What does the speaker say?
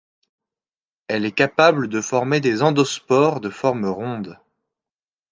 Elle est capable de former des endospores de forme ronde.